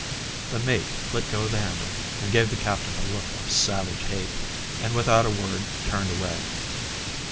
The mate let go the handle, gave the captain a look of savage hate, and without a word turned away.